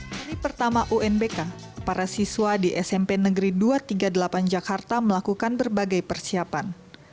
hari pertama unbk para siswa di smp negeri dua ratus tiga puluh delapan jakarta melakukan berbagai persiapan